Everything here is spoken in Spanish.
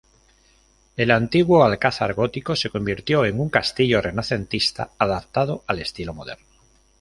El antiguo alcázar gótico se convirtió en un castillo renacentista adaptado al estilo moderno.